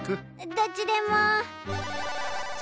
どっちでも。